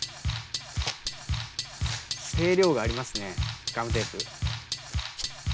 声量がありますねガムテープ。